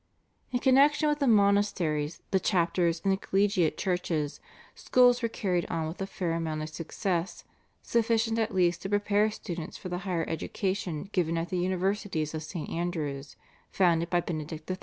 In connexion with the monasteries, the chapters, and the collegiate churches, schools were carried on with a fair amount of success, sufficient at least to prepare students for the higher education given at the Universities of St. Andrew's founded by Benedict XIII.